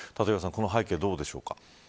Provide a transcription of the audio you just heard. この背景はどうでしょうか。